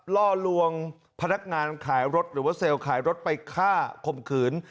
ล่อลวงพนักงานขายรถหรือว่าเซลล์ขายรถไปฆ่าข่มขืน